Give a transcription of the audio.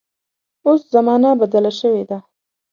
اوس زمانه بدله شوې ده.